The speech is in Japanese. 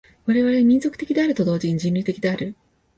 我々は民族的であると同時に人類的である。